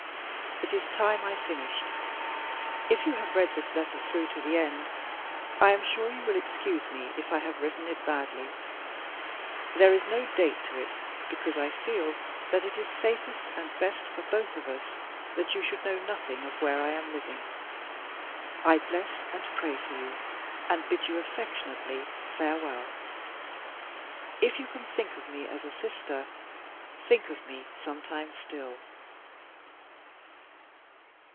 "It is time I finished. If you have read this letter through to the end, I am sure you will excuse me if I have written it badly. There is no date to it, because I feel that it is safest and best for both of us that you should know nothing of where I am living. I bless you and pray for you, and bid you affectionately farewell. If you can think of me as a sister, think of me sometimes still."